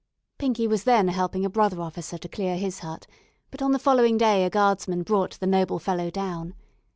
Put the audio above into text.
Pinkie was then helping a brother officer to clear his hut, but on the following day a Guardsman brought the noble fellow down.